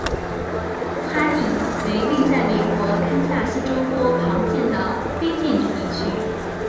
哈定为位在美国堪萨斯州波旁县的非建制地区。